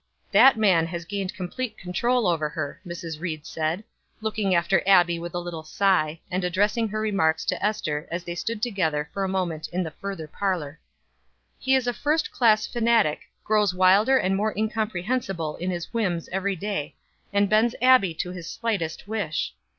"That man has gained complete control over her," Mrs. Ried said, looking after Abbie with a little sigh, and addressing her remarks to Ester as they stood together for a moment in the further parlor. "He is a first class fanatic, grows wilder and more incomprehensible in his whims every day, and bends Abbie to his slightest wish.